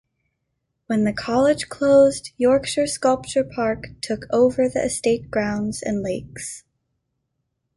When the college closed, Yorkshire Sculpture Park took over the estate grounds and lakes.